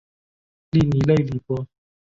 利尼勒里博。